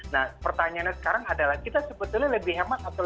nah pertanyaannya sekarang adalah kita sebetulnya lebih hemat atau